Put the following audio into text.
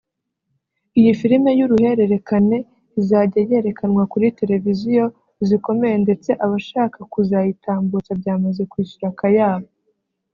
Iyi film y’uruhererekane izajya yerekanwa kuri Televiziyo zikomeye ndetse abashaka kuzayitambutsa byamaze kwishyura akayabo